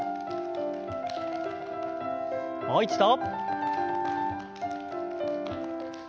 もう一度。